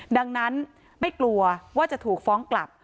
ดังนั้นไม่กลัวว่าจะถูกฟ้องกลับ